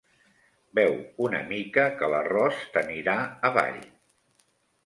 Beu una mica, que l'arròs t'anirà avall.